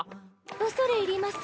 恐れ入ります。